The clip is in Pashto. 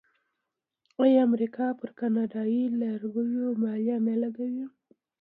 آیا امریکا پر کاناډایی لرګیو مالیه نه لګوي؟